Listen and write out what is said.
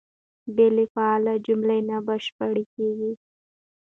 بې له فعله جمله نه بشپړېږي.